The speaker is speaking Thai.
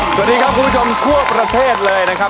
สวัสดีครับคุณผู้ชมทั่วประเทศเลยนะครับ